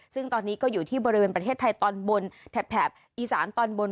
ซึ่งตอนนี้ก็อยู่ที่บริเวณประเทศไทยตอนบนแถบอีสานตอนบน